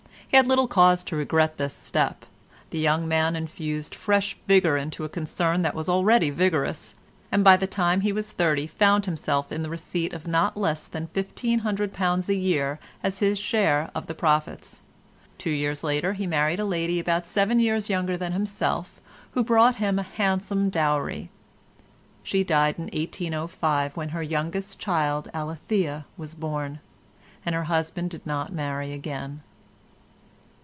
He had little cause to regret this step. The young man infused fresh vigour into a concern that was already vigorous, and by the time he was thirty found himself in the receipt of not less than £1500 a year as his share of the profits. Two years later he married a lady about seven years younger than himself, who brought him a handsome dowry. She died in 1805, when her youngest child Alethea was born, and her husband did not marry again.